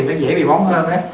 nó dễ bị bóng hơn á